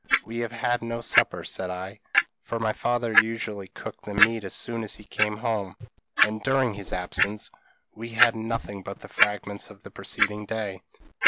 'We have had no supper,' said I, for my father usually cooked the meat as soon as he came home; and during his absence we had nothing but the fragments of the preceding day.